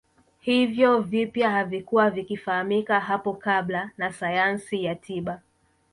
Hivyo vipya havikuwa vikifahamika hapo kabla na sayansi ya tiba